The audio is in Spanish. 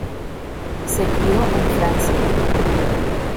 Se crio en Francia.